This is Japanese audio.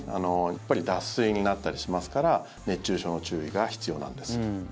やっぱり脱水になったりしますから熱中症の注意が必要なんです。